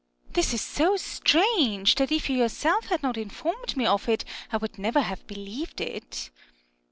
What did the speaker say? This is so strange that if you yourself had not informed me of . it, I would never have believed it.